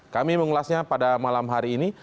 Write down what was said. kami mengulasnya pada malam hari ini